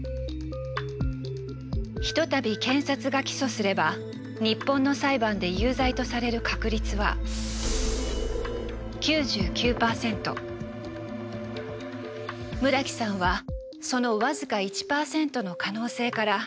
ひとたび検察が起訴すれば日本の裁判で有罪とされる確率は村木さんはその僅か１％の可能性から無罪を勝ち取りました。